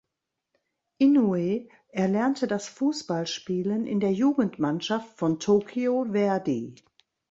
Inoue erlernte das Fußballspielen in der Jugendmannschaft von Tokyo Verdy.